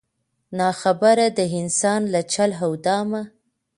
نا خبره د انسان له چل او دامه